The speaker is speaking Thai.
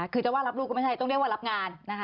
คือจะว่ารับลูกก็ไม่ใช่ต้องเรียกว่ารับงานนะคะ